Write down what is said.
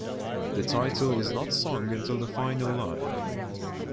The title is not sung until the final line.